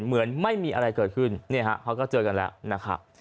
เหมือนไม่มีอะไรเกิดขึ้นเนี่ยฮะเขาก็เจอกันแล้วนะครับ